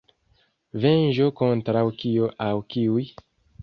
Venĝo kontraŭ kio aŭ kiuj?